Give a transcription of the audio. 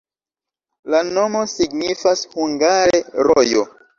La nomo signifas hungare: rojo.